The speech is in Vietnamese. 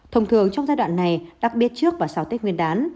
thông thường trong giai đoạn này đặc biệt trước và sau tết nguyên đán